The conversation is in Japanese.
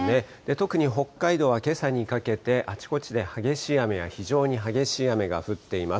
特に北海道はけさにかけて、あちこちで激しい雨や非常に激しい雨が降っています。